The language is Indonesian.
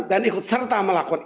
dan ikut serta melakukan